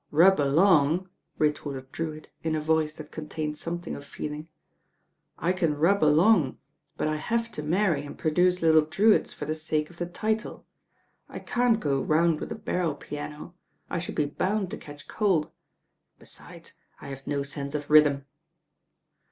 "Rub along," retorted Drewitt in a voice that contained something of feeling, "I can rub along: but I have to marry and produce little Drewitts for the sake of the title, I can't go round with a barrel piano, I should be bound to catch cold; besides, I have no sense of rhythm."